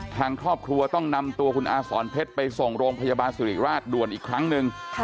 ทางครอบครัวต้องนำตัวคุณอาสอนเพชรไปส่งโรงพยาบาลสุริราชด่วนอีกครั้งหนึ่ง